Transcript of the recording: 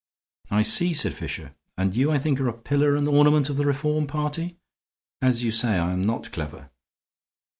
"I see," said Fisher, "and you, I think, are a pillar and ornament of the Reform party. As you say, I am not clever."